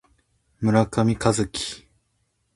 村上春樹